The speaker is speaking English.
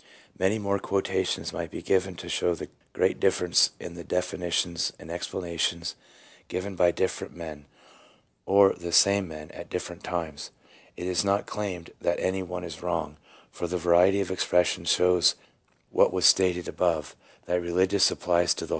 5 Many more quotations might be given to show the great difference in the definitions and explanations given by different men, or the same men at different times. It is not claimed that any one is wrong, for the variety of expression shows what was stated above, that religion applies to the whole man. The 1 H. Ellis, Man and Woman, p.